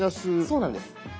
そうなんです。